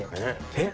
えっ！